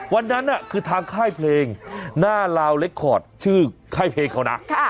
วันนั้นน่ะคือทางไข้เพลงหน้าลาวเล็กคอร์ดชื่อไข้เพลงเขาน่ะ